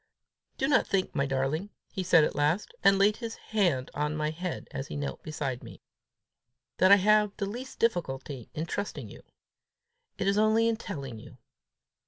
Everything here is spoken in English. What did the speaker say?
"Do not think, my darling," he said at last, and laid his hand on my head as I knelt beside him, "that I have the least difficulty in trusting you; it is only in telling you.